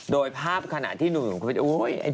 โดยภาพขนาดที่หนูเหนื่อย